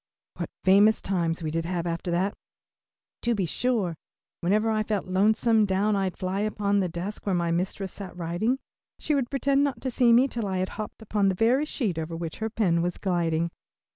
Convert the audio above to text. What famous times we did have after that, to be sure. Whenever I felt lonesome down I'd fly upon the desk where my mistress sat writing. She would pretend not to see me till I had hopped upon the very sheet over which her pen was gliding.